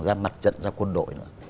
ra mặt trận ra quân đội